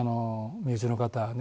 身内の方はね。